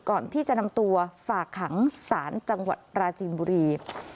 ก่อนที่จะนำตัวฝากขังศาลจังหวัดปราจีนบุรี